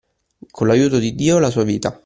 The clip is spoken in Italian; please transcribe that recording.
Con l'aiuto di Dio, la sua vita.